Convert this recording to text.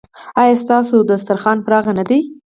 ایا ستاسو دسترخوان پراخ نه دی؟